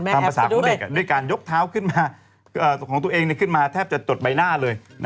ตามภาษาของเด็กด้วยการยกเท้าขึ้นมาของตัวเองขึ้นมาแทบจะจดใบหน้าเลย